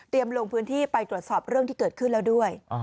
ลงพื้นที่ไปตรวจสอบเรื่องที่เกิดขึ้นแล้วด้วย